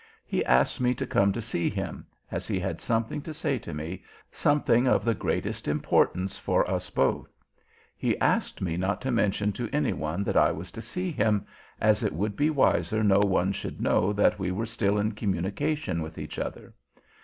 He asked me to come to see him, as he had something to say to me, something of the greatest importance for us both. He asked me not to mention to any one that I was to see him, as it would be wiser no one should know that we were still in communication with each other.